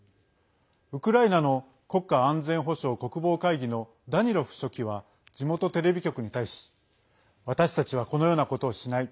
ウクライナの国家安全保障・国防会議のダニロフ書記は地元テレビ局に対し私たちはこのようなことをしない。